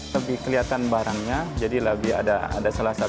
lebih kelihatan barangnya jadi lebih ada salah satu yang lebih terlihat